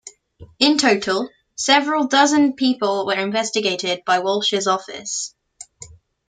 In total, several dozen people were investigated by Walsh's office.